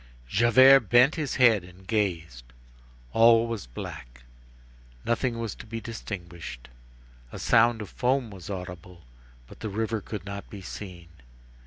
Javert bent his head and gazed. All was black. Nothing was to be distinguished. A sound of foam was audible; but the river could not be seen.